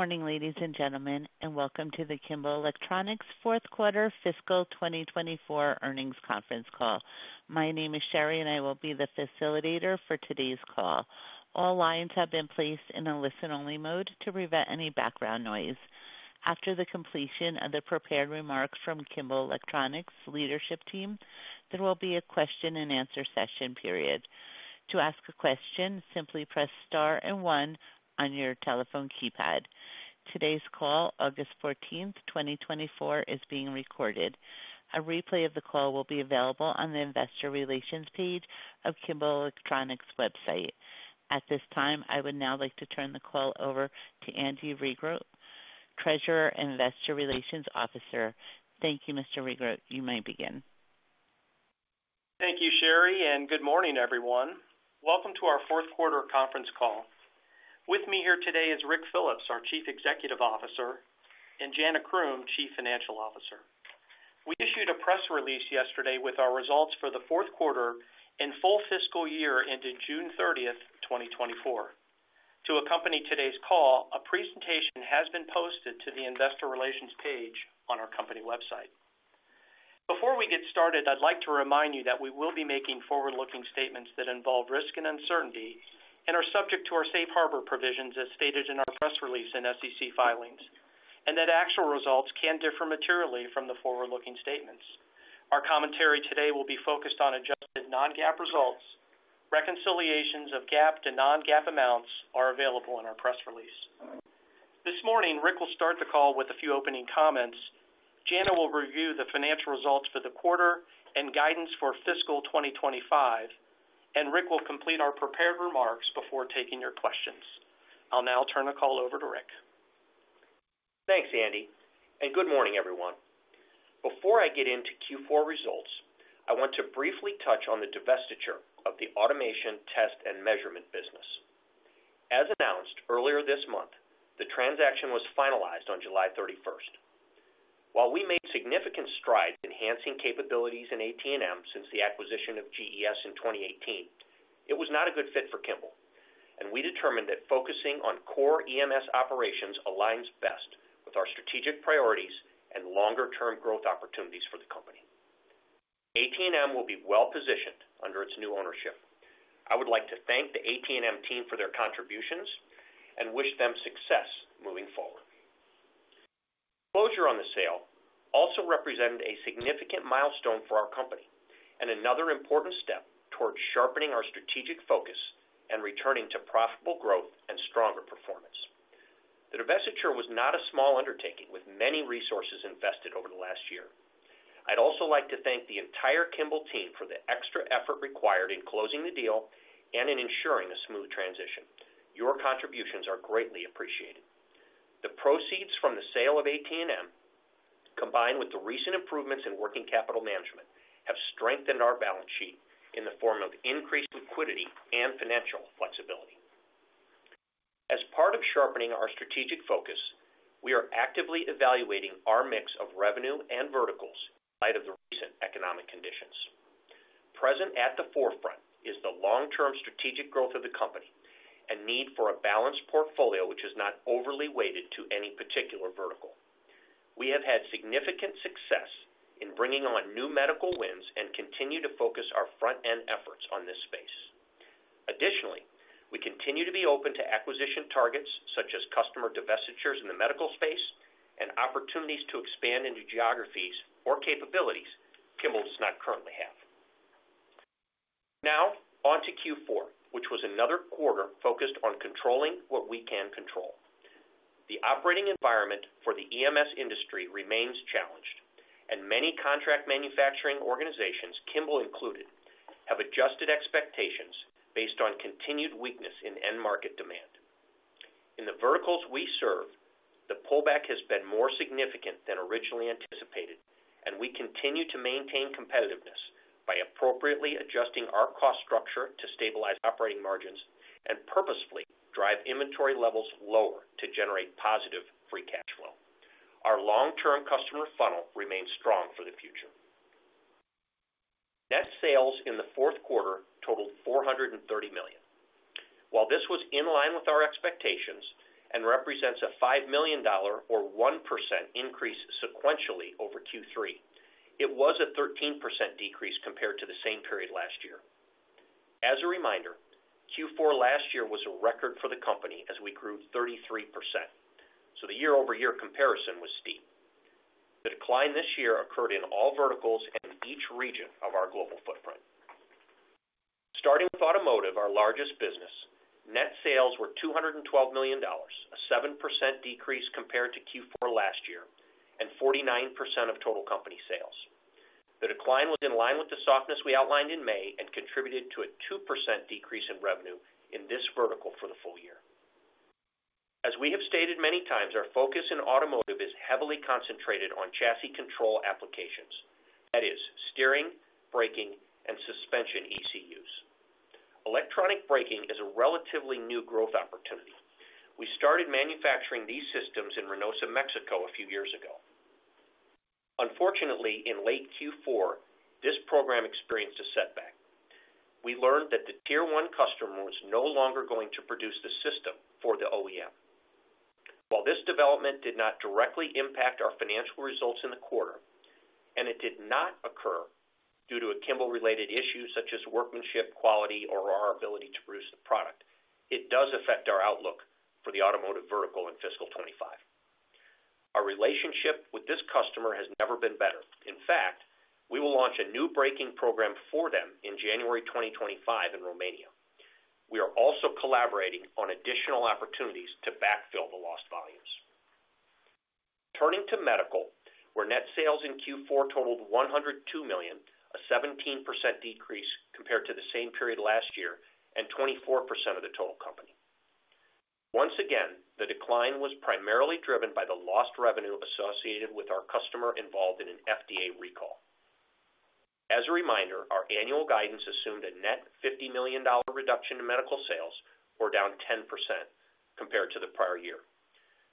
Good morning, ladies and gentlemen, and welcome to the Kimball Electronics fourth quarter fiscal 2024 earnings conference call. My name is Sherry, and I will be the facilitator for today's call. All lines have been placed in a listen-only mode to prevent any background noise. After the completion of the prepared remarks from Kimball Electronics leadership team, there will be a question-and-answer session period. To ask a question, simply press star and one on your telephone keypad. Today's call, August 14, 2024, is being recorded. A replay of the call will be available on the investor relations page of Kimball Electronics website. At this time, I would now like to turn the call over to Andy Regrut, Treasurer and Investor Relations Officer. Thank you, Mr. Regrut. You may begin. Thank you, Sherry, and good morning, everyone. Welcome to our fourth quarter conference call. With me here today is Ric Phillips, our Chief Executive Officer, and Jana Croom, Chief Financial Officer. We issued a press release yesterday with our results for the fourth quarter and full fiscal year ended June 30, 2024. To accompany today's call, a presentation has been posted to the investor relations page on our company website. Before we get started, I'd like to remind you that we will be making forward-looking statements that involve risk and uncertainty and are subject to our safe harbor provisions as stated in our press release and SEC filings, and that actual results can differ materially from the forward-looking statements. Our commentary today will be focused on adjusted non-GAAP results. Reconciliations of GAAP to non-GAAP amounts are available in our press release. This morning, Ric will start the call with a few opening comments. Jana will review the financial results for the quarter and guidance for fiscal 2025, and Ric will complete our prepared remarks before taking your questions. I'll now turn the call over to Ric. Thanks, Andy, and good morning, everyone. Before I get into Q4 results, I want to briefly touch on the divestiture of the automation, test, and measurement business. As announced earlier this month, the transaction was finalized on July 31. While we made significant strides in enhancing capabilities in AT&M since the acquisition of GES in 2018, it was not a good fit for Kimball, and we determined that focusing on core EMS operations aligns best with our strategic priorities and longer-term growth opportunities for the company. AT&M will be well-positioned under its new ownership. I would like to thank the AT&M team for their contributions and wish them success moving forward. Closure on the sale also represented a significant milestone for our company and another important step towards sharpening our strategic focus and returning to profitable growth and stronger performance. The divestiture was not a small undertaking with many resources invested over the last year. I'd also like to thank the entire Kimball team for the extra effort required in closing the deal and in ensuring a smooth transition. Your contributions are greatly appreciated. The proceeds from the sale of AT&M, combined with the recent improvements in working capital management, have strengthened our balance sheet in the form of increased liquidity and financial flexibility. As part of sharpening our strategic focus, we are actively evaluating our mix of revenue and verticals in light of the recent economic conditions. Present at the forefront is the long-term strategic growth of the company and need for a balanced portfolio, which is not overly weighted to any particular vertical. We have had significant success in bringing on new medical wins and continue to focus our front-end efforts on this space. Additionally, we continue to be open to acquisition targets such as customer divestitures in the medical space and opportunities to expand into geographies or capabilities Kimball does not currently have. Now on to Q4, which was another quarter focused on controlling what we can control. The operating environment for the EMS industry remains challenged, and many contract manufacturing organizations, Kimball included, have adjusted expectations based on continued weakness in end-market demand. In the verticals we serve, the pullback has been more significant than originally anticipated, and we continue to maintain competitiveness by appropriately adjusting our cost structure to stabilize operating margins and purposefully drive inventory levels lower to generate positive free cash flow. Our long-term customer funnel remains strong for the future. Net sales in the fourth quarter totaled $430 million. While this was in line with our expectations and represents a $5 million or 1% increase sequentially over Q3, it was a 13% decrease compared to the same period last year. As a reminder, Q4 last year was a record for the company as we grew 33%, so the year-over-year comparison was steep. The decline this year occurred in all verticals and in each region of our global footprint. Starting with Automotive, our largest business, net sales were $212 million, a 7% decrease compared to Q4 last year and 49% of total company sales. The decline was in line with the softness we outlined in May and contributed to a 2% decrease in revenue in this vertical for the full year. As we have stated many times, our focus in automotive is heavily concentrated on chassis control applications, that is, steering, braking, and suspension ECUs. Electronic braking is a relatively new growth opportunity. We started manufacturing these systems in Reynosa, Mexico, a few years ago. Unfortunately, in late Q4, this program experienced a setback. We learned that the Tier 1 customer was no longer going to produce the system for the OEM. While this development did not directly impact our financial results in the quarter, and it did not occur due to a Kimball-related issue such as workmanship, quality, or our ability to produce the product, it does affect our outlook for the automotive vertical in fiscal 2025. Our relationship with this customer has never been better. In fact, we will launch a new braking program for them in January 2025 in Romania. We are also collaborating on additional opportunities to backfill the lost volumes. Turning to medical, where net sales in Q4 totaled $102 million, a 17% decrease compared to the same period last year and 24% of the total company. Once again, the decline was primarily driven by the lost revenue associated with our customer involved in an FDA recall. As a reminder, our annual guidance assumed a net $50 million reduction in medical sales, or down 10% compared to the prior year.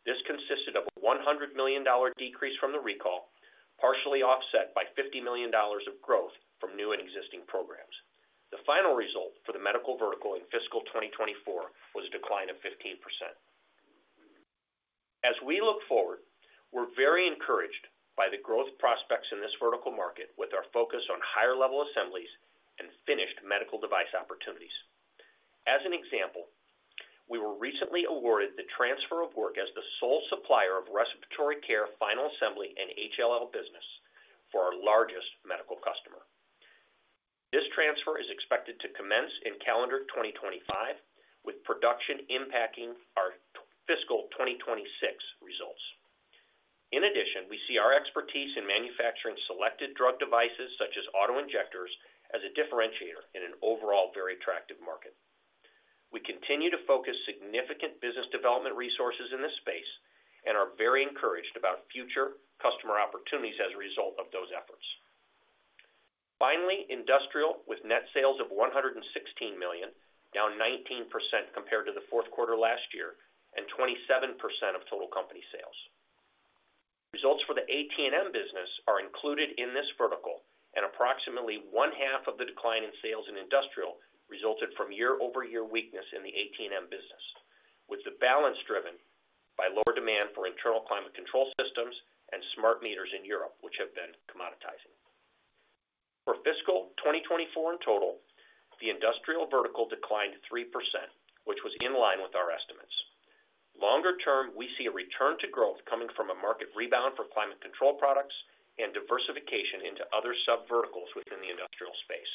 This consisted of a $100 million decrease from the recall, partially offset by $50 million of growth from new and existing programs. The final result for the medical vertical in fiscal 2024 was a decline of 15%. As we look forward, we're very encouraged by the growth prospects in this vertical market with our focus on higher level assemblies and finished medical device opportunities. As an example, we were recently awarded the transfer of work as the sole supplier of respiratory care, final assembly, and HLA business for our largest medical customer. This transfer is expected to commence in calendar 2025, with production impacting our fiscal 2026 results. In addition, we see our expertise in manufacturing selected drug devices, such as auto-injectors, as a differentiator in an overall very attractive market. We continue to focus significant business development resources in this space and are very encouraged about future customer opportunities as a result of those efforts. Finally, Industrial with net sales of $116 million, down 19% compared to the fourth quarter last year, and 27% of total company sales. Results for the AT&M business are included in this vertical, and approximately one half of the decline in sales in industrial resulted from year-over-year weakness in the AT&M business, with the balance driven by lower demand for internal climate control systems and smart meters in Europe, which have been commoditizing. For fiscal 2024 in total, the industrial vertical declined 3%, which was in line with our estimates. Longer term, we see a return to growth coming from a market rebound for climate control products and diversification into other sub verticals within the industrial space.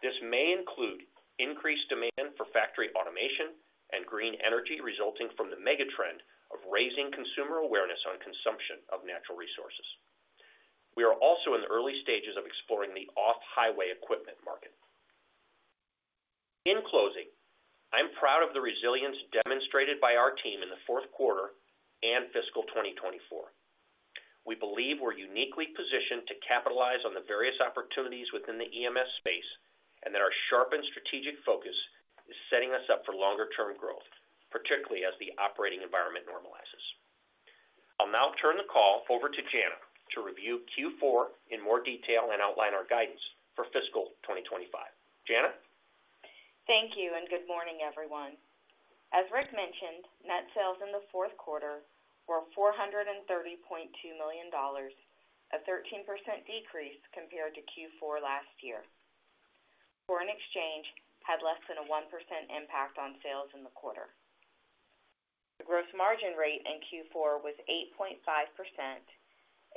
This may include increased demand for factory automation and green energy, resulting from the mega trend of raising consumer awareness on consumption of natural resources. We are also in the early stages of exploring the off-highway equipment market. In closing, I'm proud of the resilience demonstrated by our team in the fourth quarter and fiscal 2024. We believe we're uniquely positioned to capitalize on the various opportunities within the EMS space, and that our sharpened strategic focus is setting us up for longer term growth, particularly as the operating environment normalizes. I'll now turn the call over to Jana to review Q4 in more detail and outline our guidance for fiscal 2025. Jana? Thank you, and good morning, everyone. As Ric mentioned, net sales in the fourth quarter were $430.2 million, a 13% decrease compared to Q4 last year. Foreign exchange had less than a 1% impact on sales in the quarter. The gross margin rate in Q4 was 8.5%,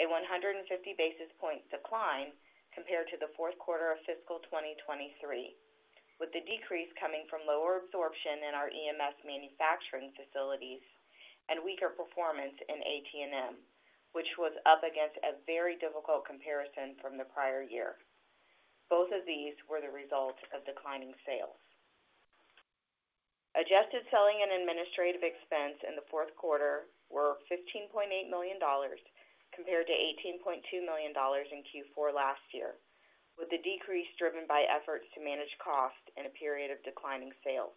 a 150 basis point decline compared to the fourth quarter of fiscal 2023, with the decrease coming from lower absorption in our EMS manufacturing facilities and weaker performance in AT&M, which was up against a very difficult comparison from the prior year. Both of these were the result of declining sales. Adjusted selling and administrative expense in the fourth quarter were $15.8 million, compared to $18.2 million in Q4 last year, with the decrease driven by efforts to manage cost in a period of declining sales.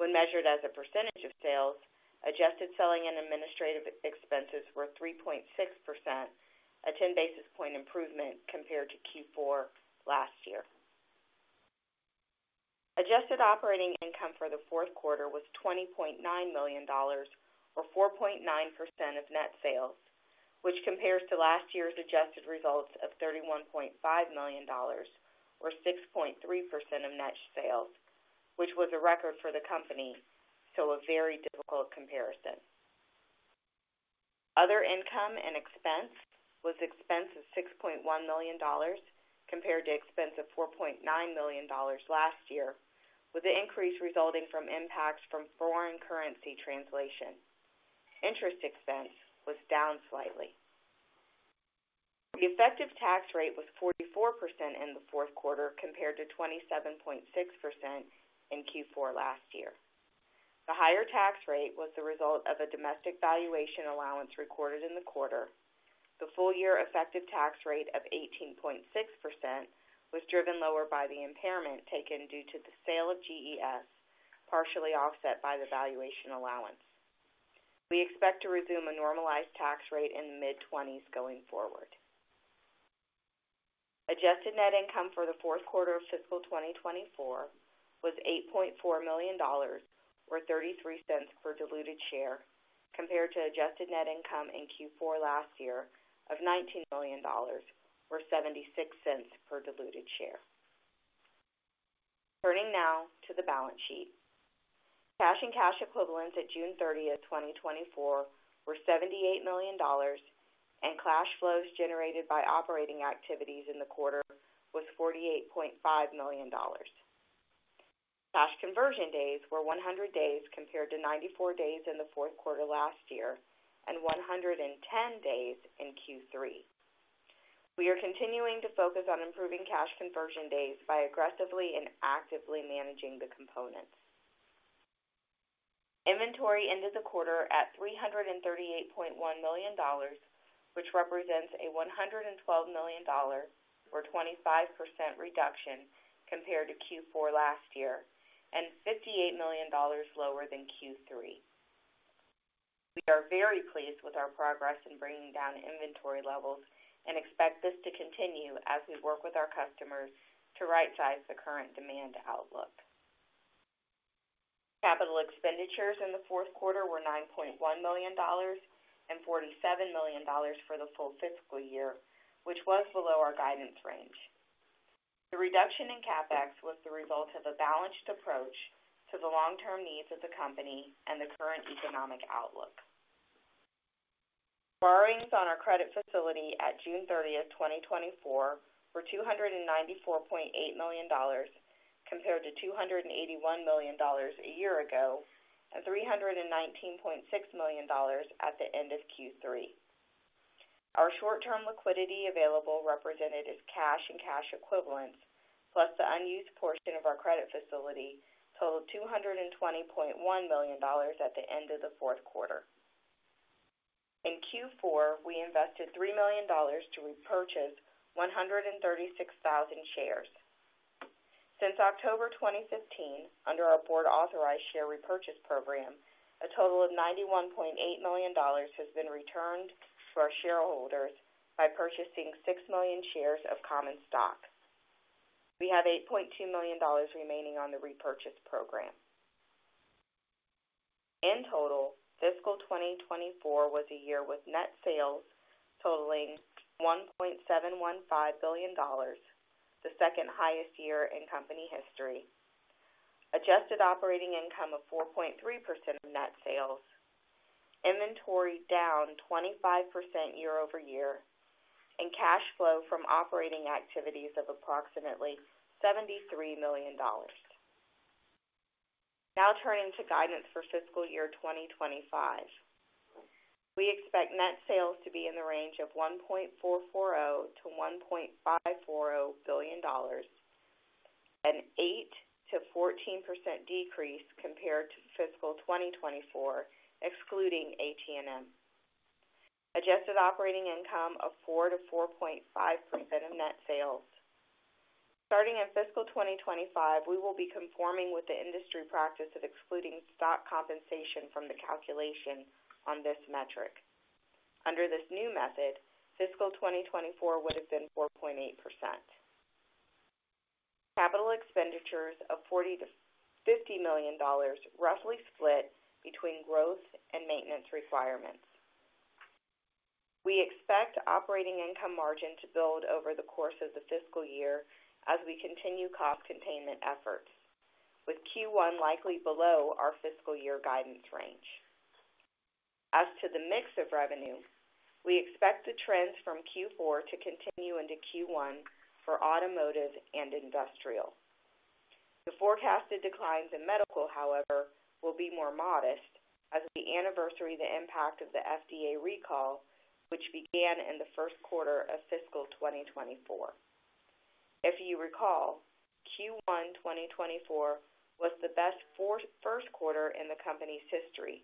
When measured as a percentage of sales, adjusted selling and administrative expenses were 3.6%, a 10 basis point improvement compared to Q4 last year. Adjusted operating income for the fourth quarter was $20.9 million, or 4.9% of net sales, which compares to last year's adjusted results of $31.5 million, or 6.3% of net sales, which was a record for the company, so a very difficult comparison. Other income and expense was expense of $6.1 million, compared to expense of $4.9 million last year, with the increase resulting from impacts from foreign currency translation. Interest expense was down slightly. The effective tax rate was 44% in the fourth quarter, compared to 27.6% in Q4 last year. The higher tax rate was the result of a domestic valuation allowance recorded in the quarter. The full year effective tax rate of 18.6% was driven lower by the impairment taken due to the sale of GES, partially offset by the valuation allowance. We expect to resume a normalized tax rate in the mid-20s going forward. Adjusted net income for the fourth quarter of fiscal 2024 was $8.4 million, or $0.33 per diluted share, compared to adjusted net income in Q4 last year of $19 million, or $0.76 per diluted share. Turning now to the balance sheet. Cash and cash equivalents at June 30, 2024 were $78 million, and cash flows generated by operating activities in the quarter was $48.5 million. Cash conversion days were 100 days, compared to 94 days in the fourth quarter last year and 110 days in Q3. We are continuing to focus on improving cash conversion days by aggressively and actively managing the components. Inventory ended the quarter at $338.1 million, which represents a $112 million or 25% reduction compared to Q4 last year, and $58 million lower than Q3. We are very pleased with our progress in bringing down inventory levels and expect this to continue as we work with our customers to rightsize the current demand outlook. Capital expenditures in the fourth quarter were $9.1 million and $47 million for the full fiscal year, which was below our guidance range. The reduction in CapEx was the result of a balanced approach to the long-term needs of the company and the current economic outlook. Borrowings on our credit facility at June 30, 2024 were $294.8 million, compared to $281 million a year ago and $319.6 million at the end of Q3. Our short-term liquidity available, represented as cash and cash equivalents, plus the unused portion of our credit facility, totaled $220.1 million at the end of the fourth quarter. In Q4, we invested $3 million to repurchase 136,000 shares. Since October 2015, under our board authorized share repurchase program, a total of $91.8 million has been returned for our shareholders by purchasing 6 million shares of common stock. We have $8.2 million remaining on the repurchase program. In total, fiscal 2024 was a year with net sales totaling $1.715 billion, the second highest year in company history. Adjusted operating income of 4.3% of net sales, inventory down 25% year-over-year, and cash flow from operating activities of approximately $73 million. Now turning to guidance for fiscal year 2025. We expect net sales to be in the range of $1.440 billion-$1.540 billion, an 8%-14% decrease compared to fiscal 2024, excluding AT&M. Adjusted operating income of 4%-4.5% of net sales. Starting in fiscal 2025, we will be conforming with the industry practice of excluding stock compensation from the calculation on this metric. Under this new method, fiscal 2024 would have been 4.8%. Capital expenditures of $40 million-$50 million, roughly split between growth and maintenance requirements. We expect operating income margin to build over the course of the fiscal year as we continue cost containment efforts, with Q1 likely below our fiscal year guidance range. As to the mix of revenue, we expect the trends from Q4 to continue into Q1 for automotive and industrial. The forecasted declines in medical, however, will be more modest as the anniversary of the impact of the FDA recall, which began in the first quarter of fiscal 2024. If you recall, Q1 2024 was the best first quarter in the company's history,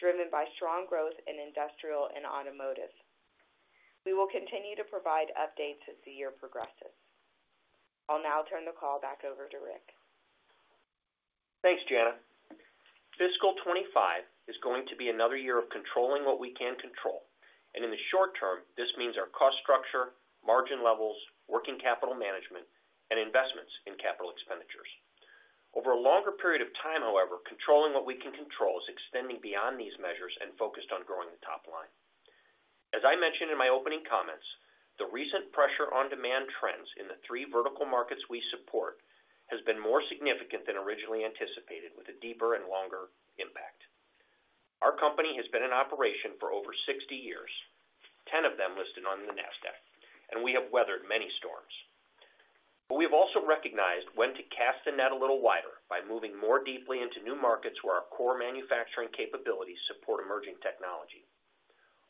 driven by strong growth in industrial and automotive. We will continue to provide updates as the year progresses. I'll now turn the call back over to Ric. Thanks, Jana. Fiscal 2025 is going to be another year of controlling what we can control, and in the short term, this means our cost structure, margin levels, working capital management, and investments in capital expenditures. Over a longer period of time, however, controlling what we can control is extending beyond these measures and focused on growing the top line. As I mentioned in my opening comments, the recent pressure on demand trends in the three vertical markets we support has been more significant than originally anticipated, with a deeper and longer impact. Our company has been in operation for over 60 years, 10 of them listed on the Nasdaq, and we have weathered many storms. But we have also recognized when to cast the net a little wider by moving more deeply into new markets where our core manufacturing capabilities support emerging technology.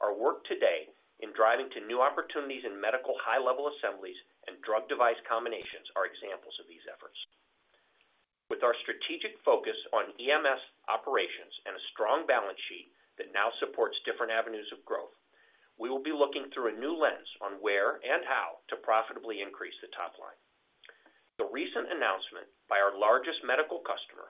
Our work today in driving to new opportunities in medical, high-level assemblies and drug device combinations are examples of these efforts. With our strategic focus on EMS operations and a strong balance sheet that now supports different avenues of growth. We will be looking through a new lens on where and how to profitably increase the top line. The recent announcement by our largest medical customer,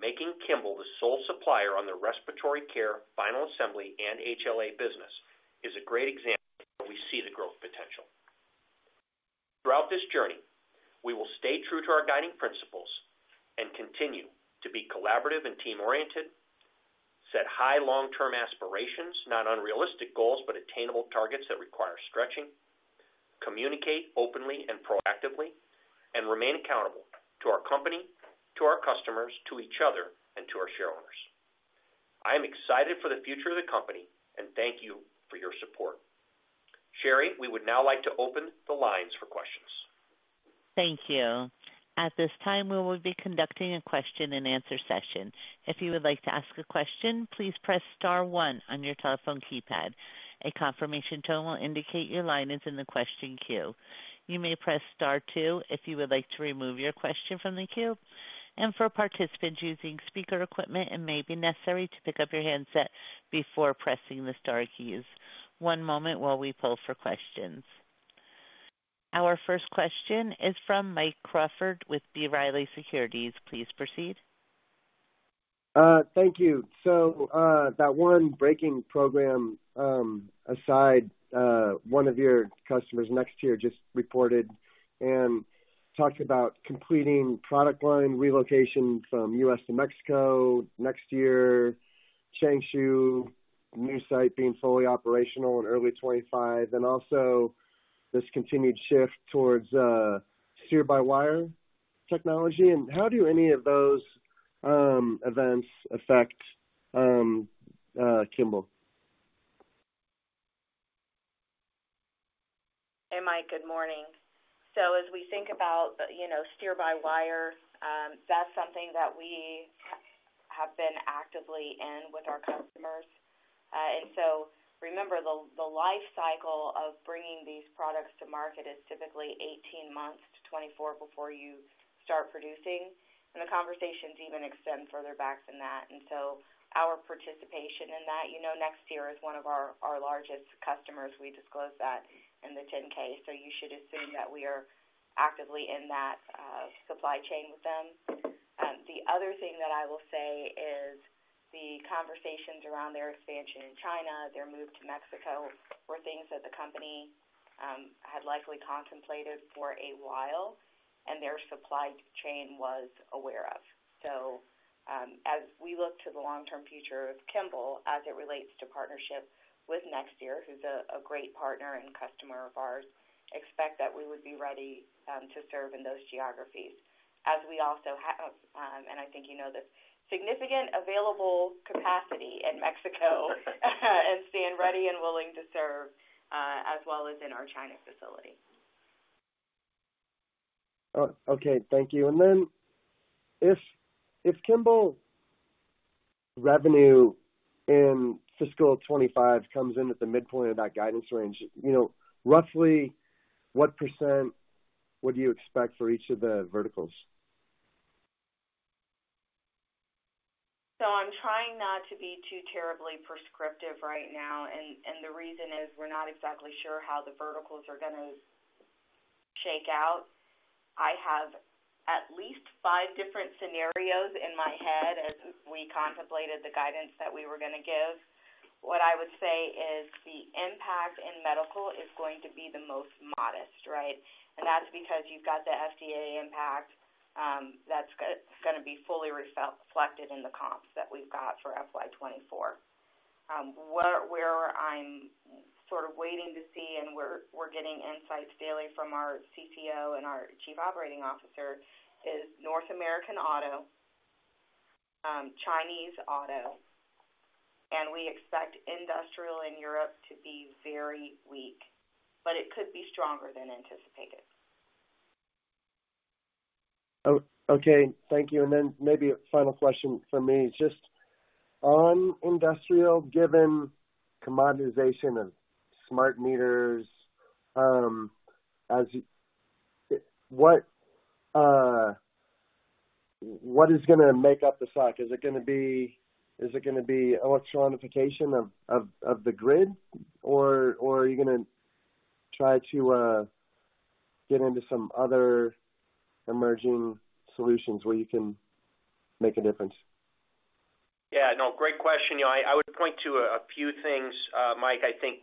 making Kimball the sole supplier on the respiratory care, final assembly, and HLA business, is a great example where we see the growth potential. Throughout this journey, we will stay true to our guiding principles and continue to be collaborative and team-oriented, set high long-term aspirations, not unrealistic goals, but attainable targets that require stretching, communicate openly and proactively, and remain accountable to our company, to our customers, to each other, and to our shareholders. I am excited for the future of the company, and thank you for your support. Sherry, we would now like to open the lines for questions. Thank you. At this time, we will be conducting a question-and-answer session. If you would like to ask a question, please press star one on your telephone keypad. A confirmation tone will indicate your line is in the question queue. You may press star two if you would like to remove your question from the queue. For participants using speaker equipment, it may be necessary to pick up your handset before pressing the star keys. One moment while we pull for questions. Our first question is from Mike Crawford with B. Riley Securities. Please proceed. Thank you. So, that one braking program aside, one of your customers next year just reported and talked about completing product line relocation from U.S. to Mexico next year, Changshu new site being fully operational in early 2025, and also this continued shift towards steer-by-wire technology. And how do any of those events affect Kimball? Hey, Mike. Good morning. So as we think about, you know, steer-by-wire, that's something that we have been actively in with our customers. And so remember, the life cycle of bringing these products to market is typically 18 months to 24 before you start producing, and the conversations even extend further back than that. And so our participation in that next year is one of our largest customers. We disclosed that in the 10-K. So you should assume that we are actively in that supply chain with them. The other thing that I will say is the conversations around their expansion in China, their move to Mexico, were things that the company had likely contemplated for a while and their supply chain was aware of. So, as we look to the long-term future of Kimball as it relates to partnership with Nexteer, who's a great partner and customer of ours, expect that we would be ready to serve in those geographies as we also have, and I think you know this, significant available capacity in Mexico, and stand ready and willing to serve as well as in our China facility. Okay, thank you. And then if Kimball revenue in fiscal 25 comes in at the midpoint of that guidance range, you know, roughly what % would you expect for each of the verticals? So I'm trying not to be too terribly prescriptive right now, and the reason is we're not exactly sure how the verticals are gonna shake out. I have at least five different scenarios in my head as we contemplated the guidance that we were gonna give. What I would say is the impact in medical is going to be the most modest, right? And that's because you've got the FDA impact, that's gonna be fully reflected in the comps that we've got for FY 2024. Where I'm sort of waiting to see and we're getting insights daily from our CCO and our Chief Operating Officer, is North American auto, Chinese auto, and we expect industrial in Europe to be very weak, but it could be stronger than anticipated. Okay, thank you. And then maybe a final question for me, just on industrial, given commoditization of smart meters, as you. What, what is gonna make up the slack? Is it gonna be, is it gonna be electronification of the grid, or are you gonna try to get into some other emerging solutions where you can make a difference? Yeah, no, great question. You know, I would point to a few things, Mike. I think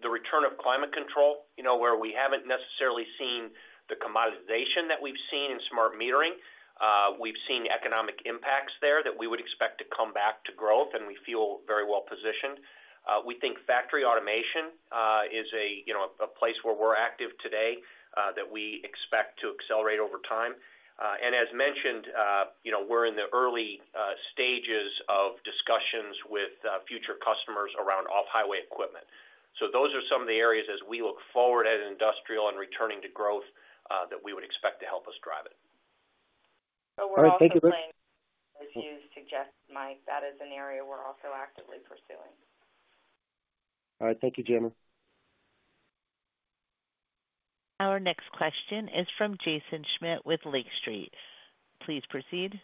the return of climate control, you know, where we haven't necessarily seen the commoditization that we've seen in smart metering. We've seen economic impacts there that we would expect to come back to growth, and we feel very well positioned. We think factory automation is a, you know, a place where we're active today that we expect to accelerate over time. And as mentioned, you know, we're in the early stages of discussions with future customers around off-highway equipment. So those are some of the areas as we look forward as industrial and returning to growth that we would expect to help us drive it. All right. Thank you. But we're also playing, as you suggest, Mike, that is an area we're also actively pursuing. All right. Thank you, Jana. Our next question is from Jaeson Schmidt with Lake Street. Please proceed.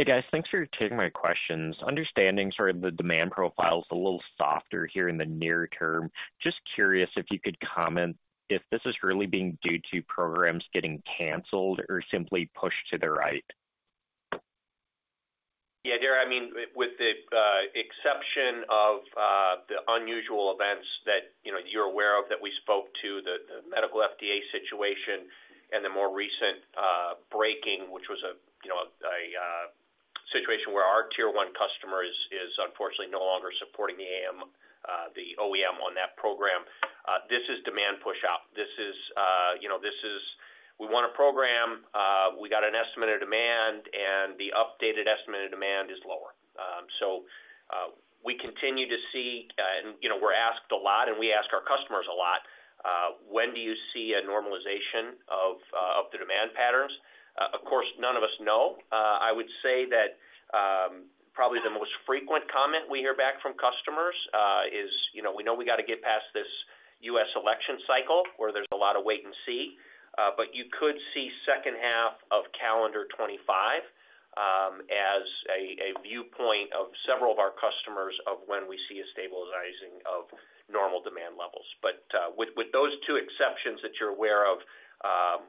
Hey, guys. Thanks for taking my questions. Understanding sort of the demand profile is a little softer here in the near term. Just curious if you could comment if this is really being due to programs getting canceled or simply pushed to the right? Yeah, I mean, with the exception of the unusual events that, you know, you're aware of, that we spoke to, the medical FDA situation and the more recent braking, which was a, you know, a situation where our Tier 1 customer is unfortunately no longer supporting the OEM on that program, this is demand push out. This is, you know, this is we want a program, we got an estimated demand, and the updated estimated demand is lower. So, we continue to see, and, you know, we're asked a lot and we ask our customers a lot, when do you see a normalization of the demand patterns? Of course, none of us know. I would say that, probably the most frequent comment we hear back from customers, is, you know, we know we got to get past this U.S. election cycle, where there's a lot of wait and see, but you could see second half of calendar 2025, as a viewpoint of several of our customers of when we see a stabilizing of normal demand levels. But, with those two exceptions that you're aware of,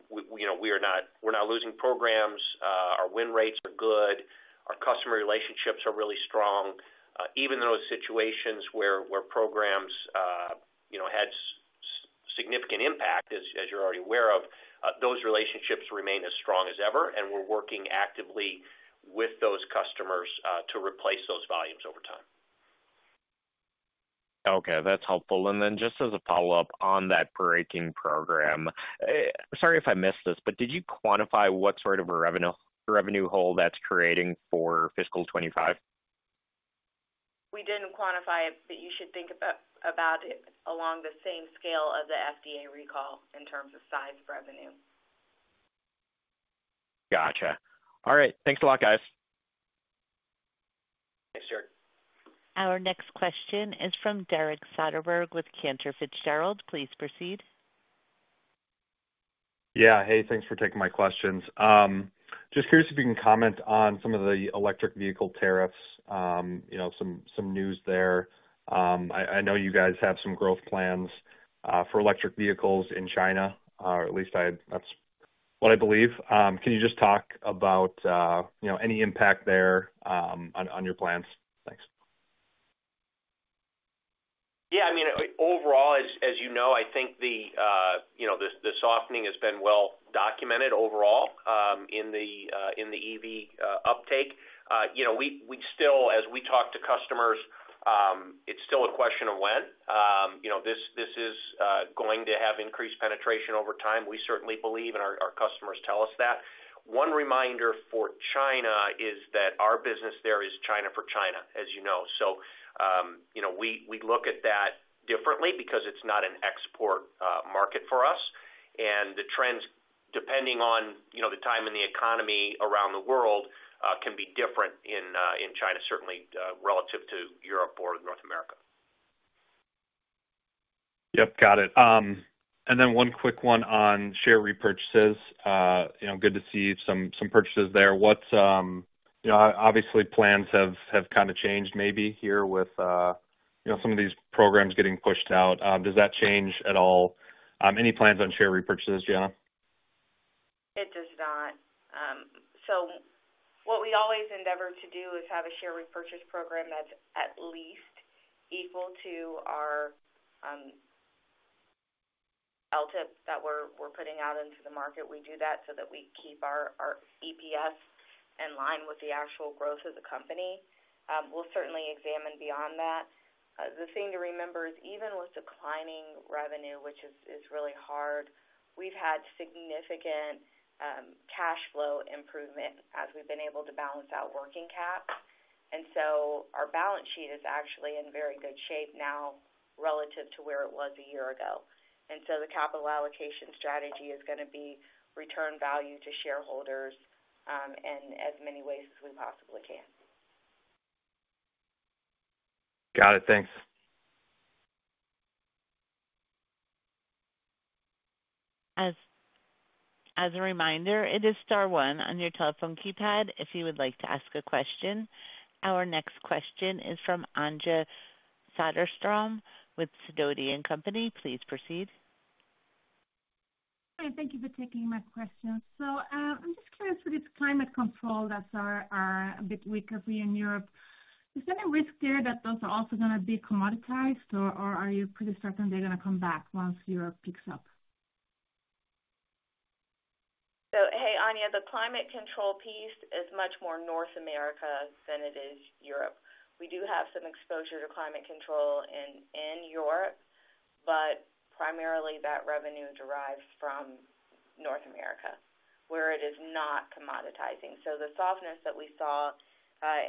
we, you know, we are not-- we're not losing programs. Our win rates are good. Our customer relationships are really strong. Even those situations where programs, you know, had significant impact, as you're already aware of, those relationships remain as strong as ever, and we're working actively with those customers, to replace those volumes over time. Okay, that's helpful. Then just as a follow-up on that braking program, sorry if I missed this, but did you quantify what sort of a revenue hole that's creating for fiscal 2025? We didn't quantify it, but you should think about, about it along the same scale as the FDA recall in terms of size revenue. Gotcha. All right. Thanks a lot, guys. Thanks, Jared. Our next question is from Derek Soderberg with Cantor Fitzgerald. Please proceed. Yeah. Hey, thanks for taking my questions. Just curious if you can comment on some of the electric vehicle tariffs, you know, some news there. I know you guys have some growth plans for electric vehicles in China, or at least that's what I believe. Can you just talk about, you know, any impact there on your plans? Thanks. Yeah, I mean, overall, as you know, I think you know, the softening has been well documented overall, in the EV uptake. You know, we still as we talk to customers, it's still a question of when. You know, this is going to have increased penetration over time. We certainly believe, and our customers tell us that. One reminder for China is that our business there is China for China, as you know. So, you know, we look at that differently because it's not an export market for us. And the trends, depending on you know, the time in the economy around the world, can be different in China, certainly, relative to Europe or North America. Yep, got it. And then one quick one on share repurchases. You know, good to see some purchases there. What's-- You know, obviously, plans have kind of changed maybe here with, you know, some of these programs getting pushed out. Does that change at all, any plans on share repurchases, Jana? It does not. So what we always endeavor to do is have a share repurchase program that's at least equal to our LTIP that we're putting out into the market. We do that so that we keep our EPS in line with the actual growth of the company. We'll certainly examine beyond that. The thing to remember is, even with declining revenue, which is really hard, we've had significant cash flow improvement as we've been able to balance out working cap. And so our balance sheet is actually in very good shape now relative to where it was a year ago. And so the capital allocation strategy is gonna be return value to shareholders in as many ways as we possibly can. Got it. Thanks. As a reminder, it is star one on your telephone keypad if you would like to ask a question. Our next question is from Anja Soderstrom with Sidoti & Company. Please proceed. Hi, thank you for taking my question. I'm just curious with this climate control that are a bit weaker for you in Europe, is there a risk there that those are also gonna be commoditized, or are you pretty certain they're gonna come back once Europe picks up? So, hey, Anja, the climate control piece is much more North America than it is Europe. We do have some exposure to climate control in, in Europe, but primarily that revenue derives from North America, where it is not commoditizing. So the softness that we saw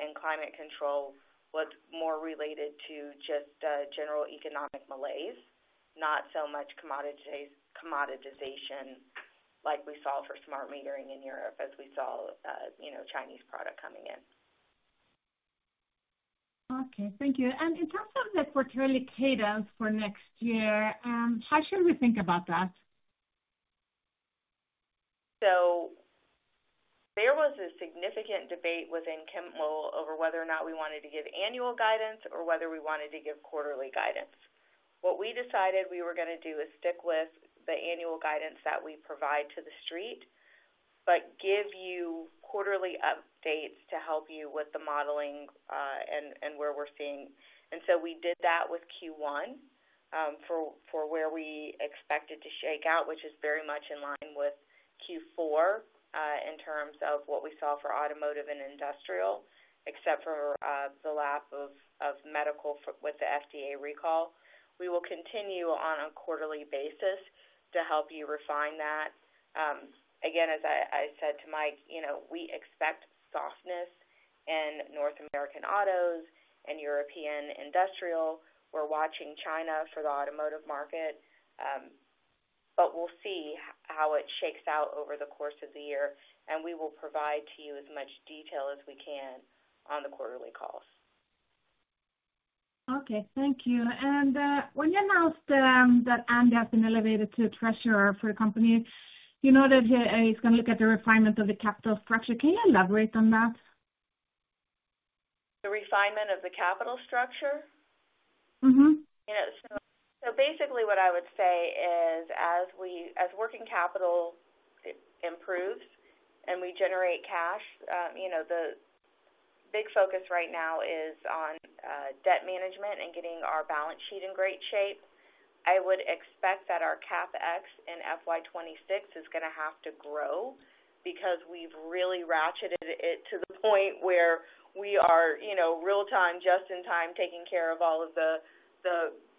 in climate control was more related to just general economic malaise, not so much commoditization like we saw for smart metering in Europe, as we saw, you know, Chinese product coming in. Okay, thank you. In terms of the quarterly cadence for next year, how should we think about that? So there was a significant debate within Kimball over whether or not we wanted to give annual guidance or whether we wanted to give quarterly guidance. What we decided we were going to do is stick with the annual guidance that we provide to the street, but give you quarterly updates to help you with the modeling, and where we're seeing. And so we did that with Q1, for where we expected to shake out, which is very much in line with Q4, in terms of what we saw for automotive and industrial, except for the lapse of medical with the FDA recall. We will continue on a quarterly basis to help you refine that. Again, as I said to Mike, you know, we expect softness in North American autos and European industrial. We're watching China for the automotive market, but we'll see how it shakes out over the course of the year, and we will provide to you as much detail as we can on the quarterly calls. Okay, thank you. And when you announced that Andy has been elevated to treasurer for the company, you know, that he's going to look at the refinement of the capital structure. Can you elaborate on that? The refinement of the capital structure? Mm-hmm. You know, so basically what I would say is as working capital improves and we generate cash, you know, the big focus right now is on debt management and getting our balance sheet in great shape. I would expect that our CapEx in FY 2026 is going to have to grow because we've really ratcheted it to the point where we are, you know, real-time, just in time, taking care of all of the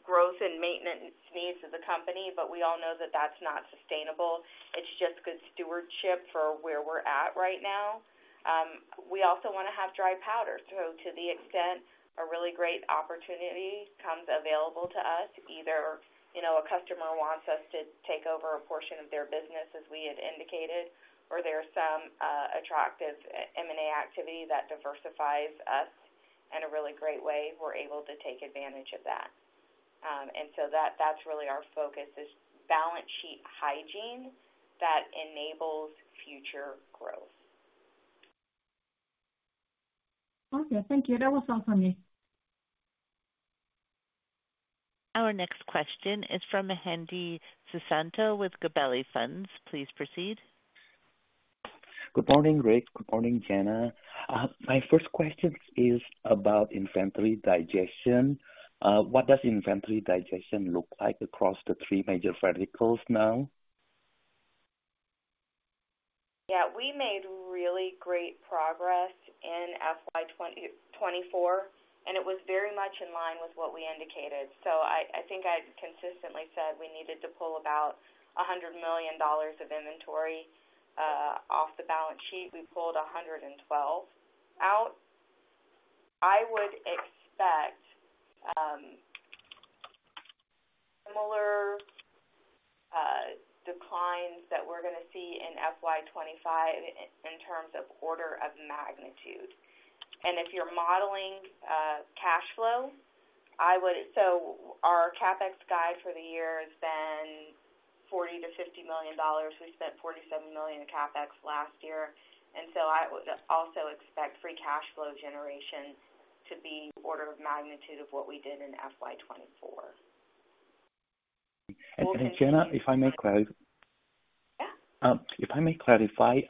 growth and maintenance needs of the company. But we all know that that's not sustainable. It's just good stewardship for where we're at right now. We also want to have dry powder. So to the extent a really great opportunity comes available to us, either, you know, a customer wants us to take over a portion of their business, as we have indicated, or there's some attractive M&A activity that diversifies us in a really great way, we're able to take advantage of that. And so that, that's really our focus, is balance sheet hygiene that enables future growth. Okay, thank you. That was all for me. Our next question is from Hendi Susanto with Gabelli Funds. Please proceed. Good morning, Ric. Good morning, Jana. My first question is about inventory digestion. What does inventory digestion look like across the three major verticals now? Yeah, we made really great progress in FY 2024, and it was very much in line with what we indicated. So I think I've consistently said we needed to pull about $100 million of inventory off the balance sheet. We pulled 112 out. I would expect similar declines that we're going to see in FY 2025 in terms of order of magnitude. And if you're modeling cash flow, so our CapEx guide for the year has been $40 million-$50 million. We spent $47 million in CapEx last year, and so I would also expect free cash flow generation to be order of magnitude of what we did in FY 2024. Jana, if I may clarify. Yeah. If I may clarify,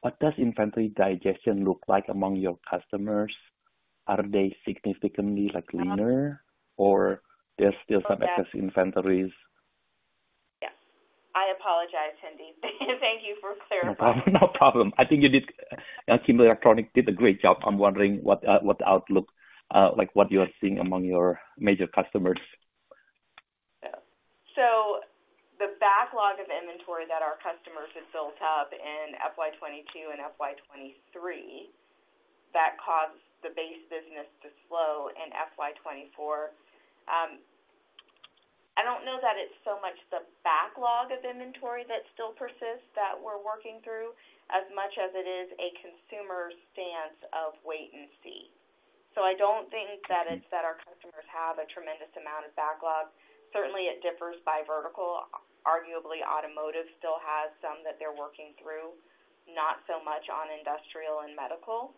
what does inventory digestion look like among your customers? Are they significantly like, cleaner or there's still some excess inventories? Yeah. I apologize, Hendi. Thank you for clarifying. No problem. I think you did-- Kimball Electronics did a great job. I'm wondering what, what the outlook, like, what you are seeing among your major customers. So the backlog of inventory that our customers had built up in FY 2022 and FY 2023, that caused the base business to slow in FY 2024. I don't know that it's so much the backlog of inventory that still persists, that we're working through as much as it is a consumer stance of wait and see. So I don't think that it's that our customers have a tremendous amount of backlog. Certainly, it differs by vertical. Arguably, automotive still has some that they're working through, not so much on industrial and medical.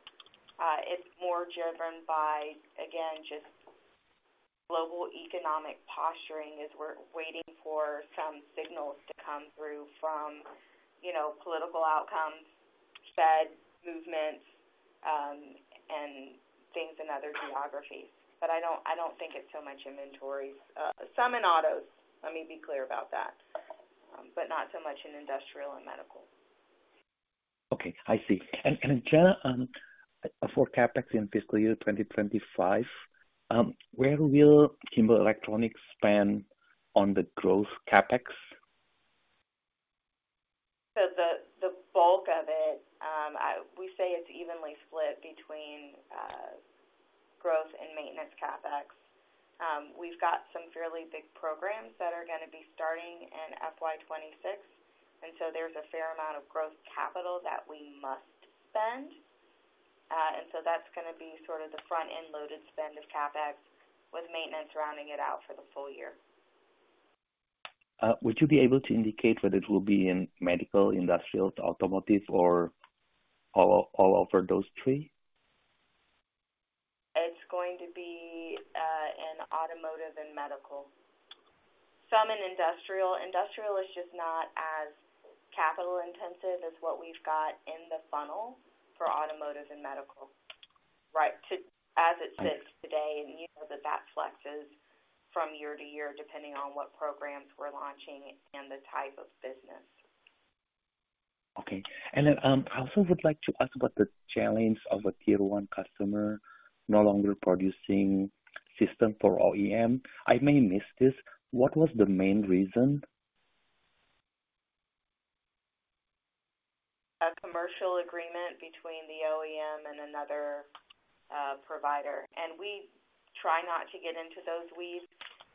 It's more driven by, again, just global economic posturing as we're waiting for some signals to come through from, you know, political outcomes, Fed movements, and things in other geographies. But I don't, I don't think it's so much inventories. Some in autos. Let me be clear about that, but not so much in industrial and medical. Okay, I see. And, Jana, for CapEx in fiscal year 2025, where will Kimball Electronics spend on the growth CapEx? So the bulk of it, we say it's evenly split between growth and maintenance CapEx. We've got some fairly big programs that are gonna be starting in FY 2026, and so there's a fair amount of growth capital that we must spend. And so that's gonna be sort of the front-end loaded spend of CapEx, with maintenance rounding it out for the full year. Would you be able to indicate whether it will be in medical, industrial, to automotive, or all, all over those three? It's going to be in automotive and medical. Some in industrial. Industrial is just not as capital intensive as what we've got in the funnel for automotive and medical, right? As it sits today, and you know that that flexes from year to year, depending on what programs we're launching and the type of business. Okay. And then, I also would like to ask about the challenge of a Tier 1 customer no longer producing system for OEM. I may miss this. What was the main reason? A commercial agreement between the OEM and another provider, and we try not to get into those weeds.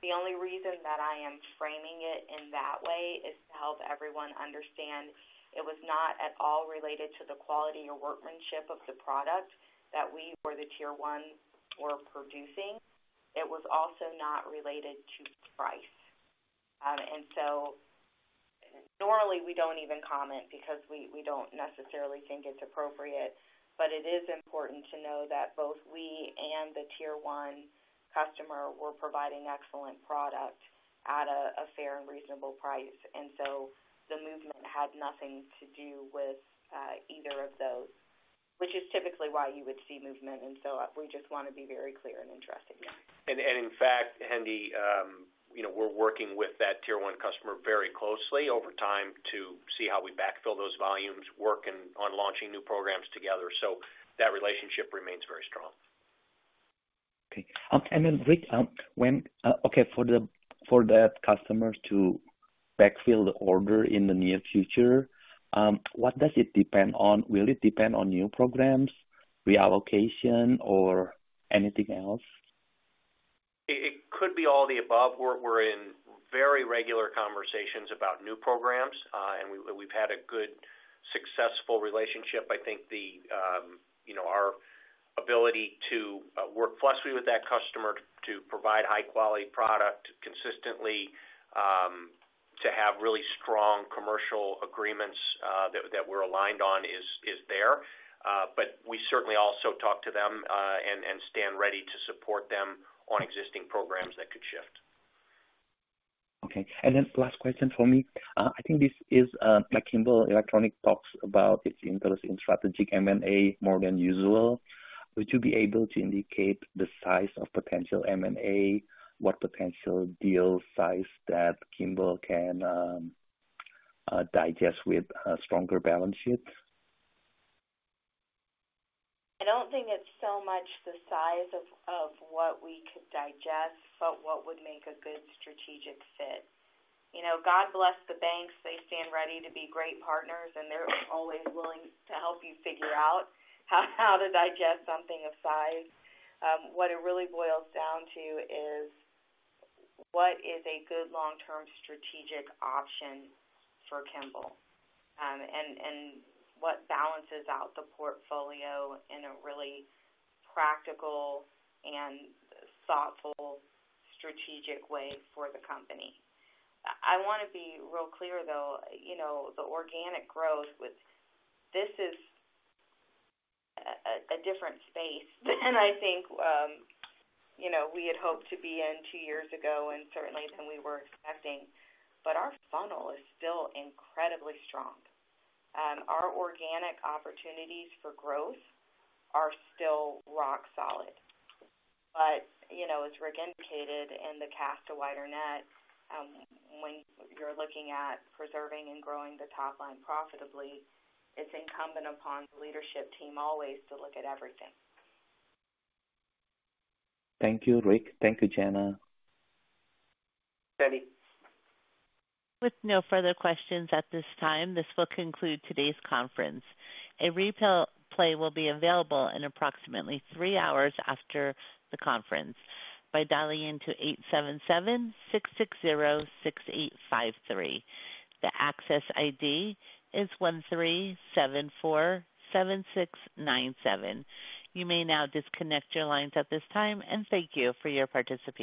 The only reason that I am framing it in that way is to help everyone understand it was not at all related to the quality or workmanship of the product that we or the Tier 1 were producing. It was also not related to price. And so normally we don't even comment because we don't necessarily think it's appropriate. But it is important to know that both we and the Tier 1 customer were providing excellent product at a fair and reasonable price, and so the movement had nothing to do with either of those, which is typically why you would see movement, and so we just wanna be very clear and interesting. In fact, Hendi, you know, we're working with that Tier 1 customer very closely over time to see how we backfill those volumes, work on launching new programs together, so that relationship remains very strong. Okay. And then, Ric, for the customers to backfill the order in the near future, what does it depend on? Will it depend on new programs, reallocation, or anything else? It, it could be all the above. We're, we're in very regular conversations about new programs, and we, we've had a good, successful relationship. I think the, you know, our ability to, work flexibly with that customer to provide high-quality product consistently, to have really strong commercial agreements, that, that we're aligned on is, is there. But we certainly also talk to them, and, and stand ready to support them on existing programs that could shift. Okay, and then last question for me. I think this is, like Kimball Electronics talks about its interest in strategic M&A more than usual. Would you be able to indicate the size of potential M&A? What potential deal size that Kimball Electronics can digest with a stronger balance sheet? I don't think it's so much the size of what we could digest, but what would make a good strategic fit. You know, God bless the banks. They stand ready to be great partners, and they're always willing to help you figure out how to digest something of size. What it really boils down to is what is a good long-term strategic option for Kimball? And what balances out the portfolio in a really practical and thoughtful, strategic way for the company. I wanna be real clear, though, you know, the organic growth with... this is a different space than I think, you know, we had hoped to be in two years ago and certainly than we were expecting. But our funnel is still incredibly strong, and our organic opportunities for growth are still rock solid. You know, as Ric indicated in casting a wider net, when you're looking at preserving and growing the top line profitably, it's incumbent upon the leadership team always to look at everything. Thank you, Ric. Thank you, Jana. Ready. With no further questions at this time, this will conclude today's conference. A replay will be available in approximately three hours after the conference by dialing 877-660-6853. The access ID is 13747697. You may now disconnect your lines at this time, and thank you for your participation.